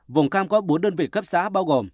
vùng cam có bốn đơn vị cấp xã bao gồm